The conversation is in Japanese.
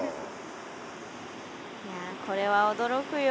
いやこれは驚くよ。